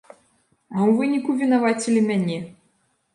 А ў выніку вінавацілі мяне!